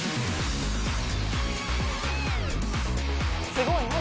「すごい。何？」